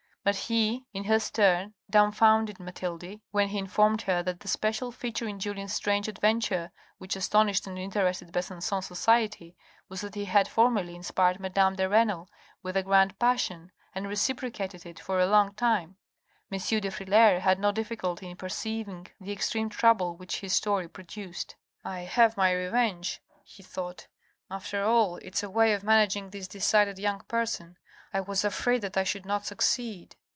But he in his turn dumfounded Mathilde when he informed her that the special feature in Julien's strange adventure which as tonished and interested Besangon society, was that he had formerly inspired Madame de Renal with a grand passion and reciprocated it for a long time. M. de Frilair had no difficulty in perceiving the extreme trouble which his story produced. " I have my revenge," he thought. "After all it's a way of 3i 482 THE RED AND THE BLACK managing this decided young person. I was afraid that I should not succeed."